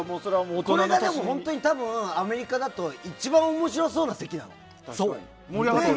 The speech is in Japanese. これがアメリカだと一番面白そうな席なの。